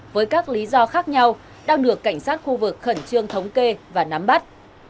với các lý do khác nhau đang được cảnh sát khu vực khẩn trương thống kê và nắm bắt